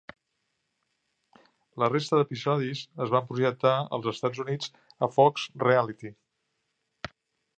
La resta d'episodis es van projectar als Estats Units a Fox Reality .